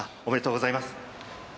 おめでとうございます。